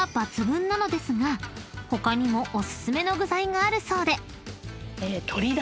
［他にもお薦めの具材があるそうで］